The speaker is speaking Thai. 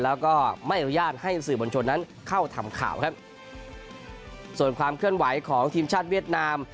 แล้วก็ไม่อนุญาตให้สื่อบนชนนั้นเข้าทำข่าวครับส่วนความเคลื่อนไหวของทีมชาติเวียดนาม